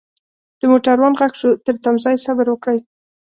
دموټروان ږغ شو ترتمځای صبروکړئ.